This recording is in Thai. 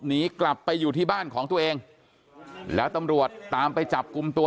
หนีกลับไปอยู่ที่บ้านของตัวเองแล้วตำรวจตามไปจับกลุ่มตัว